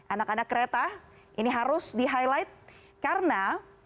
anak anak kereta ini harus di highlight karena